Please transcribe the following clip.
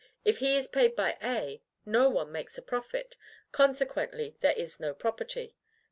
If he is paid by A, no one makes a profit; consequently, there is no property.